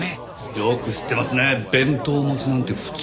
よく知ってますね弁当持ちなんて符丁。